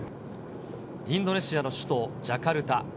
インドネシアの首都ジャカルタ。